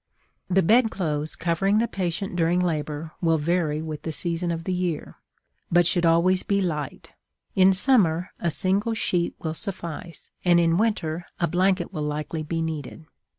The bed clothes covering the patient during labor will vary with the season of the year, but should always be light; in summer a single sheet will suffice, and in winter a blanket will likely be needed.